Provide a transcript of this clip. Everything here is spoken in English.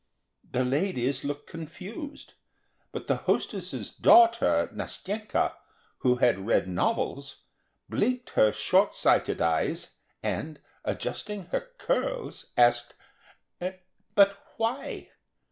_ The ladies looked confused, but the hostess's daughter Nastenka, who had read novels, blinked her shortsighted eyes, and, adjusting her curls, asked: "But, why?"